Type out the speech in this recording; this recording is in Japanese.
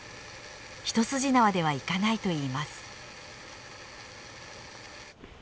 一筋縄ではいかないといいます。